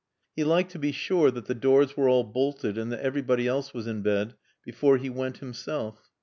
He liked to be sure that the doors were all bolted and that everybody else was in bed before he went himself.